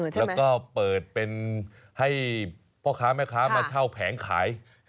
แล้วก็เปิดเป็นให้พ่อค้าแม่ค้ามาเช่าแผงขาย